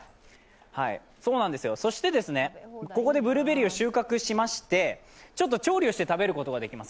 そして、ここでブルーベリーを収穫しまして調理をして食べることができます。